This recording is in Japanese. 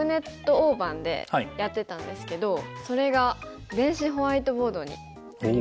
大盤でやってたんですけどそれが電子ホワイトボードになりました。